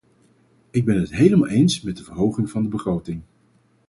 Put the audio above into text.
Ik ben het helemaal eens met de verhoging van de begroting.